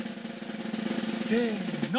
せの！